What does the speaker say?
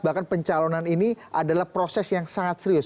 bahkan pencalonan ini adalah proses yang sangat serius